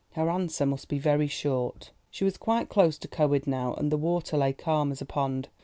Her answer must be very short. She was quite close to Coed now, and the water lay calm as a pond.